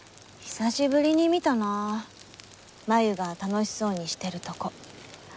久しぶりに見たなあ真夢が楽しそうにしてるとこ。